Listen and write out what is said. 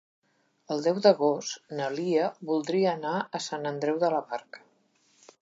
El deu d'agost na Lia voldria anar a Sant Andreu de la Barca.